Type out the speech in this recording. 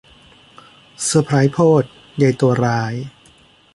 เซอร์ไพรส์โพด ยัยตัวร้าย